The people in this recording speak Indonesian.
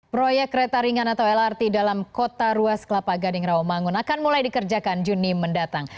proyek kereta ringan atau lrt dalam kota ruas kelapa gading rawamangun akan mulai dikerjakan juni mendatang